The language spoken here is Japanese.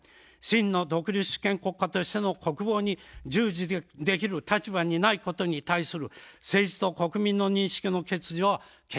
真の独立主権国家としての国防に従事できる立場にないことに対する政治と国民の認識の欠如は決定的であります。